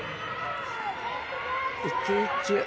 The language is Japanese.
一球一球